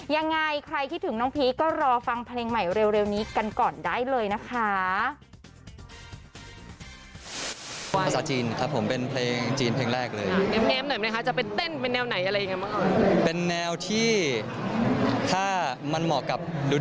ยังไงใครคิดถึงน้องพีคก็รอฟังเพลงใหม่เร็วนี้กันก่อนได้เลยนะคะ